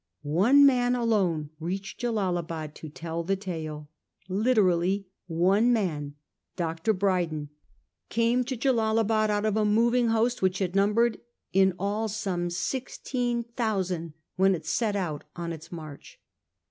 One man alone reached Jellalabad to tell the tale. Literally one man, Dr. Brydon, came to Jellalabad out of a moving host which had numbered in all some sixteen thousand when it set out on its march.